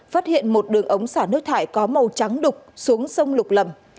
phát hiện một đường ống xả nước thải có màu trắng đục xuống sông lục lầm